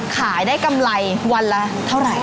ขายได้กำไรวันละเท่าไหร่